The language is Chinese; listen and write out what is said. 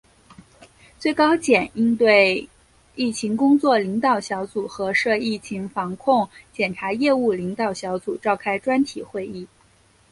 最高检应对疫情工作领导小组和涉疫情防控检察业务领导小组召开专题会议